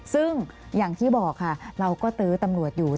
ซึ่งอย่างที่บอกค่ะเราก็ตื้อตำรวจอยู่